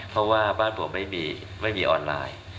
เพราะว่าบ้านผมไม่มีออนไลน์